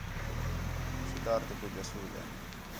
شِکار تے کُج اُصول ہین